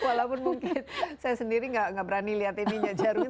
walaupun mungkin saya sendiri nggak berani lihat ini nya jerry